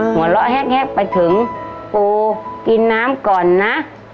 หัวเราะแฮกไปถึงปูกินน้ำก่อนนะ